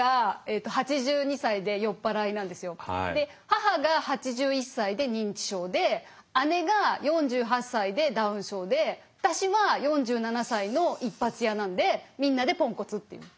母が８１歳で認知症で姉が４８歳でダウン症で私は４７歳の一発屋なんでみんなでポンコツっていう。